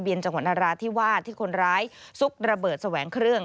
ทะเบียนจังหวันอาราธิวาดที่คนร้ายซุกระเบิดแสวงเครื่อง